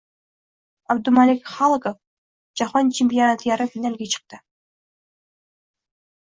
Abdumalik Halokov Jahon chempionati yarim finaliga chiqdi